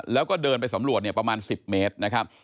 แล้วก็เดินไปสำรวจเนี่ยประมาณ๑๐เมตรนะครับ